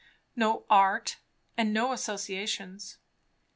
No art, and no associations.